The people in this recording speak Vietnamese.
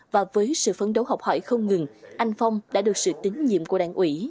và với sự phấn đấu học hỏi không ngừng anh phong đã được sự tín nhiệm của đảng ủy